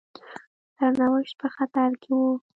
سرنوشت په خطر کې وو.